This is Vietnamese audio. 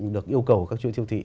được yêu cầu của các chuỗi siêu thị